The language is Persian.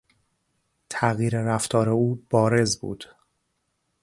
تغییر رفتار او بارز بود.